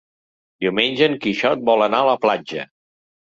Diumenge en Quixot vol anar a la platja.